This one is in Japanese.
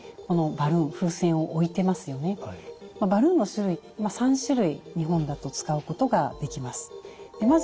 バルーンの種類３種類日本だと使うことができます。